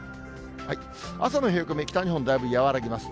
朝の冷え込み、北日本、だいぶ和らぎます。